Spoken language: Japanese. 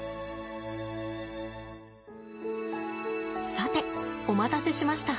さてお待たせしました。